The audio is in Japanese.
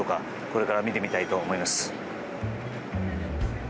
これから見てみたいと思います。